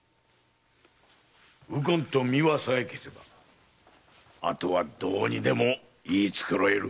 右近と美和さえ消せばあとはどうにでも言い繕える。